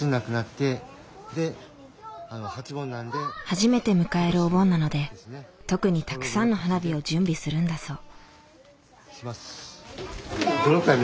初めて迎えるお盆なので特にたくさんの花火を準備するんだそう。